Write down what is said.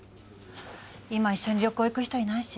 今一緒に旅行行く人いないし。